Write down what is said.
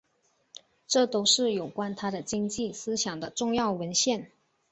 这都是有关他的经济思想的重要文献。